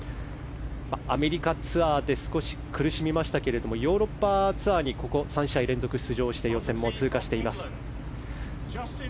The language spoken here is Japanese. アメリカツアーで少し苦しみましたけれどもヨーロッパツアーにここ３試合連続出場して予選も通過しています。